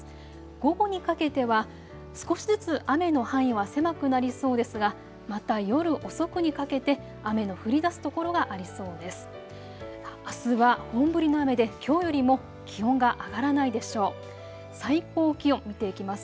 午後にかけては少しずつ雨の範囲は狭くなりそうですが、また夜遅くにかけて雨の降りだす所がありそうです。